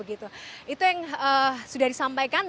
itu yang sudah disampaikan